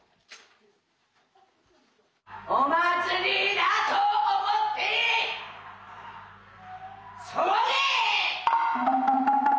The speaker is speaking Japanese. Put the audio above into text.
お祭りだと思って騒げ！